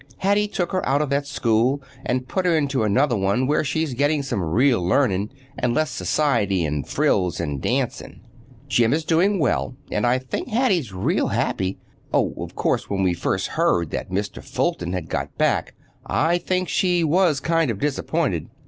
Hattie took her out of that school and put her into another where she's getting some real learning and less society and frills and dancing. Jim is doing well, and I think Hattie's real happy. Oh, of course, when we first heard that Mr. Fulton had got back, I think she was kind of disappointed.